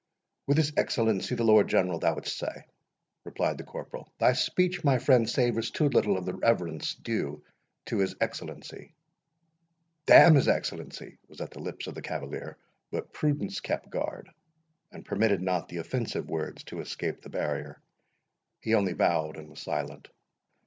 "With his Excellency the Lord General, thou wouldst say?" replied the corporal. "Thy speech, my friend, savours too little of the reverence due to his Excellency." "D—n his Excellency!" was at the lips of the cavalier; but prudence kept guard, and permitted not the offensive words to escape the barrier. He only bowed, and was silent.